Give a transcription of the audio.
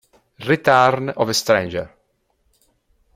Return of a Stranger